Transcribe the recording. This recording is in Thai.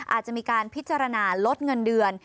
อาจจะมีการพิจารณาลดเงินเดือน